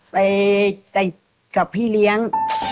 ไปกับพี่เลี้ยง